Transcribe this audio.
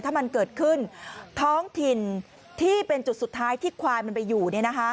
ถ้ามันเกิดขึ้นท้องถิ่นที่เป็นจุดสุดท้ายที่ควายมันไปอยู่